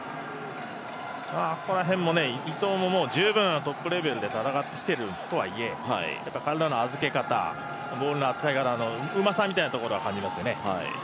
ここら辺も伊藤も十分トップレベルで戦ってきているとはいえやっぱり体の預け方、ボールの扱い方のうまさみたいなところは感じますよね。